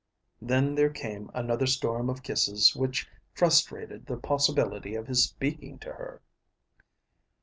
'" Then there came another storm of kisses which frustrated the possibility of his speaking to her.